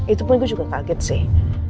itu pun gue juga kaget sih